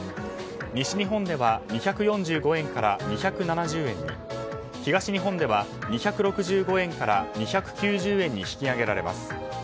西日本では２４５円から２７０円に東日本では２６５円から２９０円に引き上げられます。